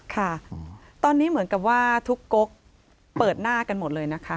ค่ะตอนนี้เหมือนกับว่าทุกก๊กเปิดหน้ากันหมดเลยนะคะ